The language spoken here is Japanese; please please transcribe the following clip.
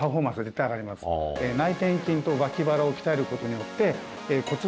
内転筋と脇腹を鍛えることによって。